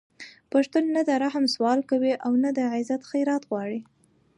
پښتون نه د رحم سوال کوي او نه د عزت خیرات غواړي